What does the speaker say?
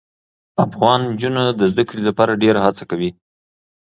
افغان نجونې د زده کړې لپاره ډېره هڅه کوي.